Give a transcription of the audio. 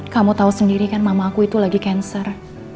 kamu tau sendiri kan mamah aku itu lagi cancer